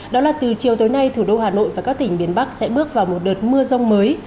đó là từ chiều tối nay thủ đô hà nội và các tỉnh miền bắc sẽ bước vào một đợt mưa rông mới